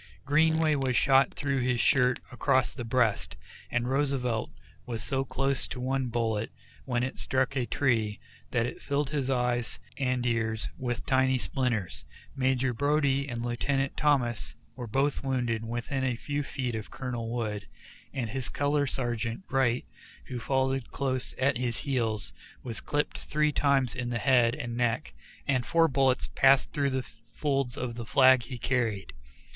Greenway was shot through this shirt across the breast, and Roosevelt was so close to one bullet, when it struck a tree, that it filled his eyes and ears with tiny splinters. Major Brodie and Lieutenant Thomas were both wounded within a few feet of Colonel Wood, and his color sergeant, Wright, who followed close at his heels, was clipped three times in the head and neck, and four bullets passed through the folds of the flag he carried.